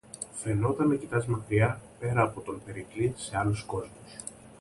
Φαίνουνταν να κοιτάζει μακριά, πέρα από τον Περικλή, σε άλλους κόσμους